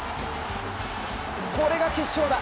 これが決勝打！